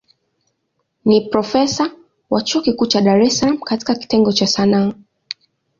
Ni profesa wa chuo kikuu cha Dar es Salaam katika kitengo cha Sanaa.